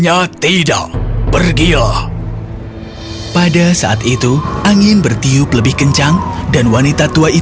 anggaplah ini seperti di rumah sendiri